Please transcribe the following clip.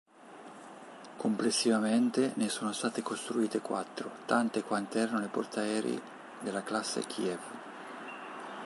Complessivamente, ne sono state costruite quattro, tante quante erano le portaerei della classe Kiev.